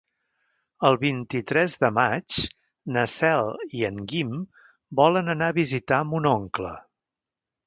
El vint-i-tres de maig na Cel i en Guim volen anar a visitar mon oncle.